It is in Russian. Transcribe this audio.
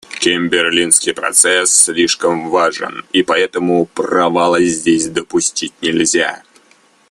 Кимберлийский процесс слишком важен, и поэтому провала здесь допустить нельзя.